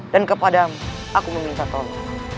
dan kepadamu aku meminta tolong